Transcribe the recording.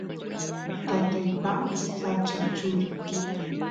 tataypa sacha churi